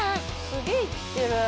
すげえ行ってる。